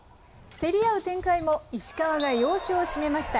競り合う展開も、石川が要所を締めました。